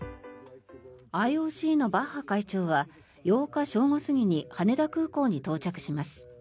ＩＯＣのバッハ会長は８日正午過ぎに羽田空港に到着します。